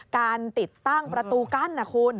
การติดตั้งประตูกั้นนะคุณ